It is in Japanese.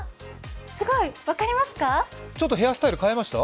すごい、分かりました？